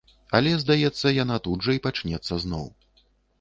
Але, здаецца, яна тут жа і пачнецца зноў.